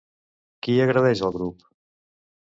Qui agredeix al grup?